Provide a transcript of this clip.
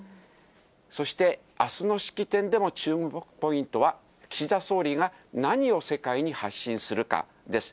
そしてあすの式典での注目ポイントは、岸田総理が何を世界に発信するかです。